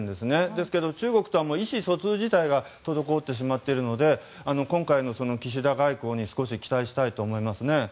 ですけど中国とは意思疎通自体が滞ってしまっているので今回の岸田外交に期待したいと思います。